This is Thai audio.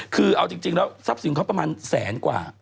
คือเอาจริงแล้วทรัพย์สินเขาประมาณแสนกว่า